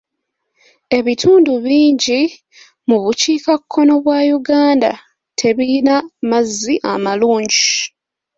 Ebitundu bingi mu bukiikakkono bwa Uganda tebiyina mazzi amalungi.